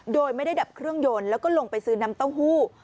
โดยไม่ได้ดับเครื่องยนต์แล้วก็ลงไปซื้อน้ำเต้าหู้